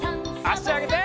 あしあげて。